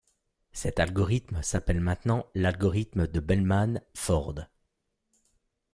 Cet algorithme s'appelle maintenant l'algorithme de Bellman-Ford.